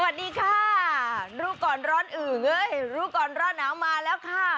สวัสดีค่ะรู้ก่อนร้อนอื่นเอ้ยรู้ก่อนร้อนหนาวมาแล้วค่ะ